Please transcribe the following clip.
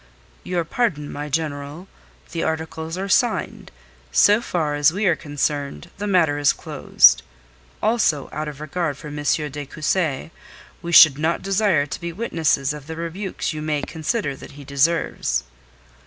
"Your pardon, my General. The articles are signed. So far as we are concerned, the matter is closed. Also out of regard for M. de Cussy, we should not desire to be witnesses of the rebukes you may consider that he deserves."